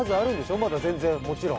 まだ全然、もちろん」